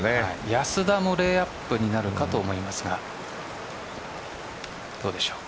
安田もレイアップになるかと思いますがどうでしょう。